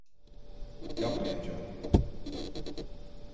Yapmayacağım.